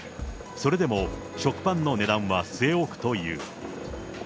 それでも食パンの値段は据え置くという。